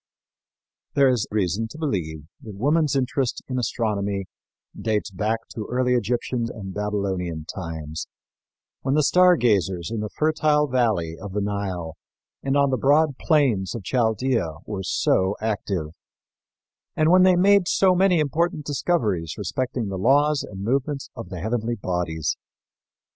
There is reason to believe that woman's interest in astronomy dates back to early Egyptian and Babylonian times when the star gazers in the fertile valley of the Nile and on the broad plains of Chaldea were so active, and when they made so many important discoveries respecting the laws and movements of the heavenly bodies.